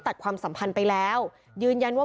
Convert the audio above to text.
ความสัมพันธ์ไปแล้วยืนยันว่า